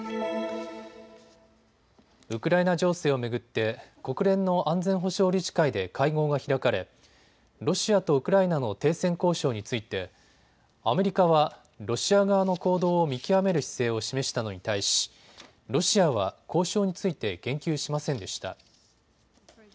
ウクライナ情勢を巡って国連の安全保障理事会で会合が開かれロシアとウクライナの停戦交渉についてアメリカはロシア側の行動を見極める姿勢を示したのに対しロシアは交渉について言及しませんでした。